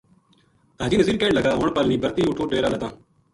حاجی نزیر کہن لگا ہن پَل نیہہ برہتی اُٹھوں ڈیرا لداں